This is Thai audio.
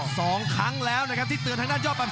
สองครั้งแล้วนะครับที่เตือนทางด้านยอดปัน